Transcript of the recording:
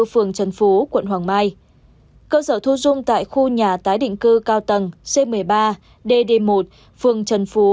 phường trần phú quận hoàng mai cơ sở thu dung tại khu nhà tái định cư cao tầng c một mươi ba d một phường trần phú